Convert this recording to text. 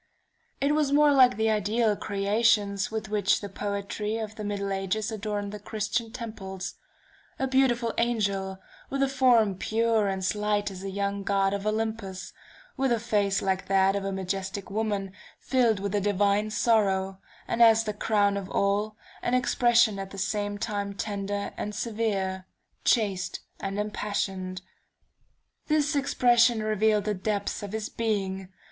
It was more like the ideal creations with which the poetry of the middle ages adorned the Christian temples: a beautiful angel, with a form pure and slight as a young god of Olympus, with a face like that of a majestic woman filled with a divine sorrow, and as the crown of all, an expression at the same time tender and severe, chaste and impassioned. "This expression revealed the depths of his being.